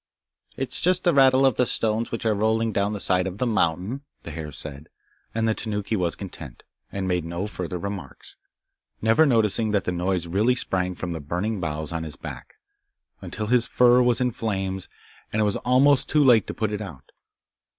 'It is just the rattle of the stones which are rolling down the side of the mountain,' the hare said; and the Tanuki was content, and made no further remarks, never noticing that the noise really sprang from the burning boughs on his back, until his fur was in flames, and it was almost too late to put it out.